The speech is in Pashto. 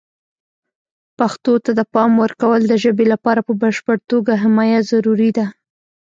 پښتو ته د پام ورکول د ژبې لپاره په بشپړه توګه حمایه ضروري ده.